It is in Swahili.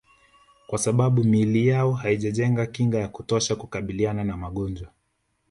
Kwa sababu miili yao haijajenga kinga ya kutosha kukabiliana na magonjwa